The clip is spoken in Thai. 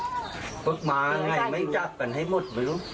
พฤษมาไงไม่จับกันให้หมด